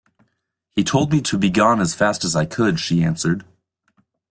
‘He told me to begone as fast as I could,’ she answered.